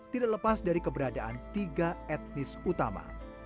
tidak lepas dari keberadaan tiga etnis utama